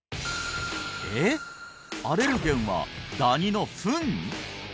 えっアレルゲンはダニのフン？